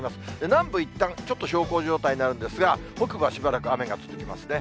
南部、いったんちょっと小康状態になるんですが、北部はしばらく雨が降りますね。